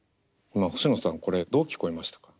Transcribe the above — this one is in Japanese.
今星野さんこれどう聞こえましたか？